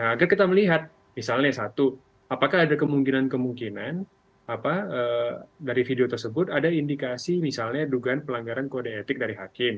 agar kita melihat misalnya satu apakah ada kemungkinan kemungkinan dari video tersebut ada indikasi misalnya dugaan pelanggaran kode etik dari hakim